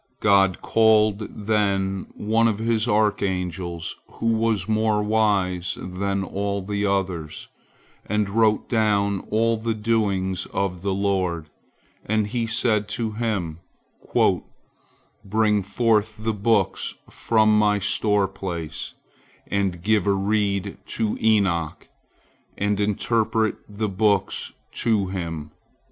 God called then one of His archangels who was more wise than all the others, and wrote down all the doings of the Lord, and He said to him, "Bring forth the books from My store place, and give a reed to Enoch, and interpret the books to him."